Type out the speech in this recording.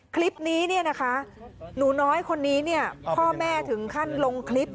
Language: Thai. คลิปนี้นะคะหนูน้อยคนนี้พ่อแม่ถึงขั้นลงคลิป